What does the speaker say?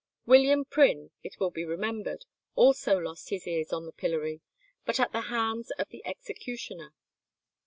William Prynne, it will be remembered, also lost his ears on the pillory, but at the hands of the executioner.